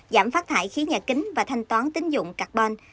giảm phát thải khí nhà kính và thanh toán tính dụng carbon